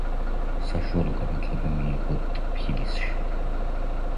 საშუალო განათლება მიიღო ტფილისში.